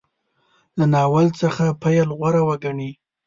له ناول څخه پیل غوره وګڼي.